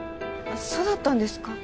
そうだったんですか。